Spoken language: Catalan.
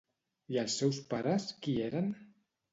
I els seus pares qui eren?